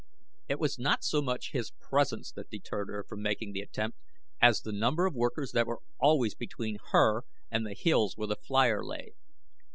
It was not so much his presence that deterred her from making the attempt as the number of workers that were always between her and the hills where the flier lay.